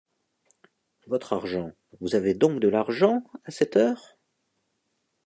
Votre argent, vous avez donc de l’argent, à cette heure?...